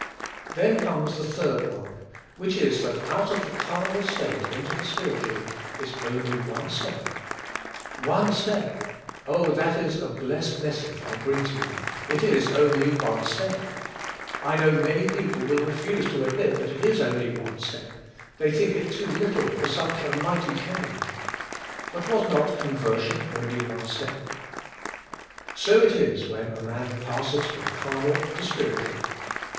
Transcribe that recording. Then comes the third mark, which is that out of the carnal state into the spiritual is only one step. One step; oh, that is a blessed message I bring to you — it is only one step. I know many people will refuse to admit that it is only one step; they think it too little for such a mighty change. But was not conversion only one step? 20 CARNAL CHRISTIANS So it is when a man passes from carnal to spirit ual.